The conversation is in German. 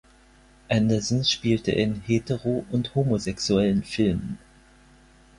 Anderson spielte in hetero- und homosexuellen Filmen.